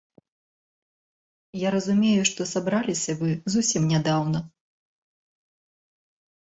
Я разумею, што сабраліся вы зусім нядаўна.